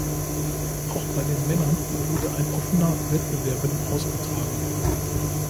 Auch bei den Männern wurde ein Offener Wettbewerben ausgetragen.